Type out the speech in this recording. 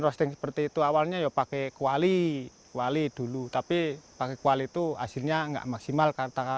roasting seperti itu awalnya ya pakai kuali kuali dulu tapi pakai kuali itu hasilnya enggak maksimal kata